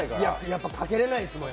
やっぱりかけれないですもん。